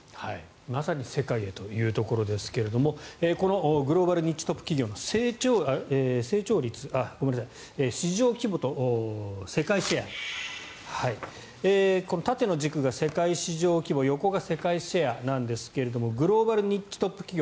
まさに世界へというところですがこのグローバルニッチトップ企業の市場規模と世界シェアこの縦の軸が世界市場規模横が世界シェアなんですがグローバルニッチトップ企業